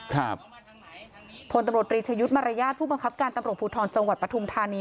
ครับพลตำโปรตริชยุทธ์มารยาทผู้ปำคับการตำโปรปภูทรจังหวัดปทุมธานี